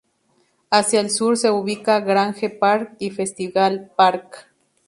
Hacia el sur se ubica Grange Park y Festival Park.